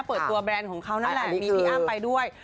เปิดตัวแบรนด์ของเขานั่นแหละมีพี่อ้ำไปด้วย